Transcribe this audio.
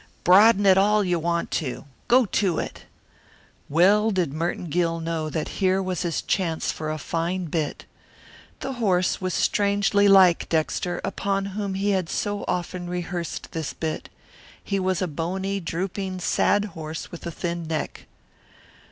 Broaden it all you want to. Go to it." Well did Merton Gill know that here was his chance for a fine bit. The horse was strangely like Dexter upon whom he had so often rehearsed this bit. He was a bony, drooping, sad horse with a thin neck.